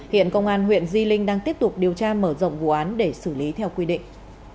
hiện công an huyện di linh đang tiếp tục điều tra mở rộng vụ án để xử lý theo quy định